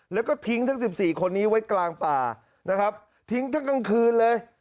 แล้วก็ทิ้งทั้ง๑๔คนนี้ไว้กลางป่านะครับทิ้งทั้งกลางคืนเลย